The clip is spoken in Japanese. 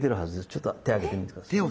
ちょっと手開けてみて下さい。